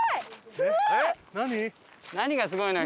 すごい！何がすごいのよ？